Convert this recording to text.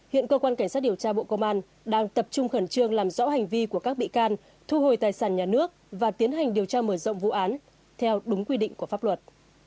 hiện cơ quan cảnh sát điều tra bộ công an đang tập trung khẩn trương làm rõ hành vi của các bị can thu hồi tài sản nhà nước và tiến hành điều tra mở rộng vụ án theo đúng quy định của pháp luật